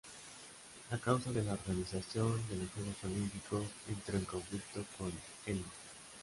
A causa de la organización de los Juegos olímpicos entró en conflicto con Elis.